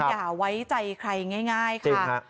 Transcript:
อย่าไว้ใจใครง่ายค่ะ